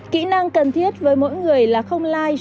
kỹ năng cần thiết với mỗi người là không like